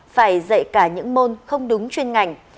phải dạy cả những môn không đúng chuyên ngành